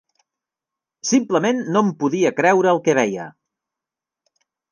Simplement no em podia creure el que veia.